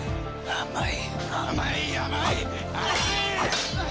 甘い！！